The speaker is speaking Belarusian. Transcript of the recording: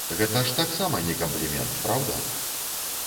Гэта ж таксама не камплімент, праўда?